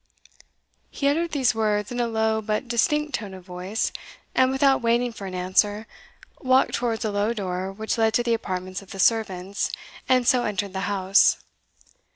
He uttered these words in a low but distinct tone of voice; and without waiting for an answer, walked towards a low door which led to the apartments of the servants, and so entered the house.